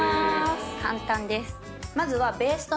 簡単です。